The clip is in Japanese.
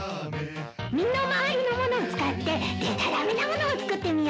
身の回りのものを使ってでたらめなものを作ってみよう。